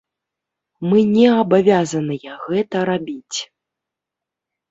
Мы не абавязаныя гэта рабіць.